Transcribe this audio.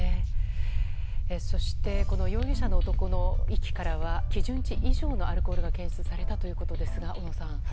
そしてこの容疑者の男の息からは基準値以上のアルコールが検出されたということですが小野さん。